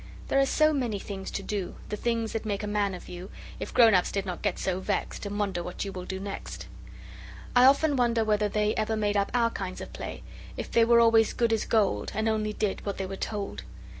There are so many things to do The things that make a man of you, If grown ups did not get so vexed And wonder what you will do next. I often wonder whether they Ever made up our kinds of play If they were always good as gold And only did what they were told.